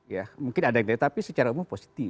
ya mungkin ada yang negatif tapi secara umum positif